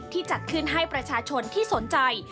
จัดขึ้นให้ประชาชนที่สนใจ